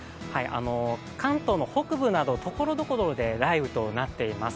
関東の北部など、ところどころで雷雨となっています。